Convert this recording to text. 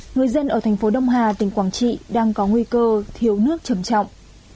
người dân ở thành phố đông hà tỉnh quảng trị đang có nguy cơ thiếu nước trầm trọng